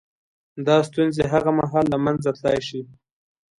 • دا ستونزې هغه مهال له منځه تلای شي.